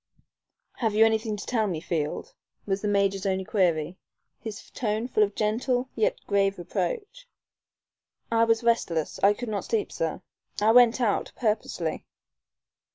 "Have you anything to tell me, Field?" was the major's only query, his tone full of gentle yet grave reproach. "I was restless. I could not sleep, sir. I went out purposely."